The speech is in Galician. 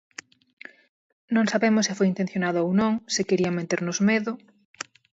"Non sabemos se foi intencionado ou non, se querían meternos medo...".